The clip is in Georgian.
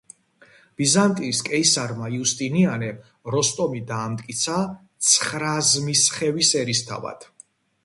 ბიზანტიის კეისარმა იუსტინიანემ როსტომი დაამტკიცა ცხრაზმისხევის ერისთავად.